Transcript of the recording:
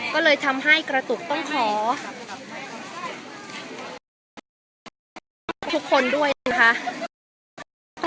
ก็เลยทำให้กระตุกต้องขอทุกคนด้วยนะคะ